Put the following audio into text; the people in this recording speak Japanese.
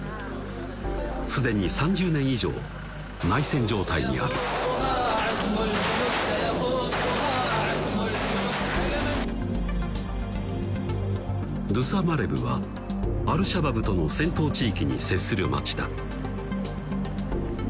既に３０年以上内戦状態にあるドゥサマレブはアルシャバブとの戦闘地域に接する町だ